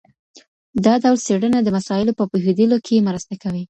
دا ډول څېړنه د مسایلو په پوهېدلو کي مرسته کوي.